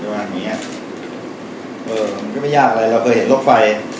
มันก็ไม่ยากอะไรเราเคยเห็นรถไฟ